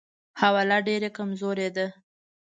حواله ډېره کمزورې ده.